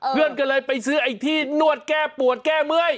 เพื่อนก็เลยไปซื้อไอ้ที่นวดแก้ปวดแก้เมื่อย